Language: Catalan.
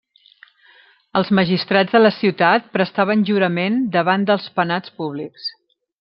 Els magistrats de la ciutat prestaven jurament davant dels Penats públics.